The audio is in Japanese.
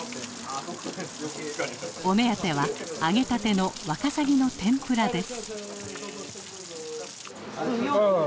お目当ては揚げたてのワカサギの天ぷらです。